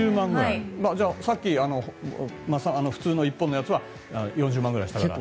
じゃあ、さっき普通の１本のやつは４０万ぐらいしたのかな。